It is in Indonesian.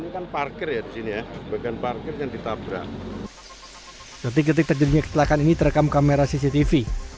ketika terjadi ketelakan ini terekam kamera cctv